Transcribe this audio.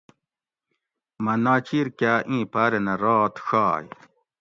مہ ناچیر کاۤ اِیں پاۤرینہ رات ڛائے